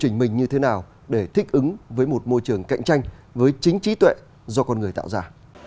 chỉnh mình như thế nào để thích ứng với một môi trường cạnh tranh với chính trí tuệ do con người tạo ra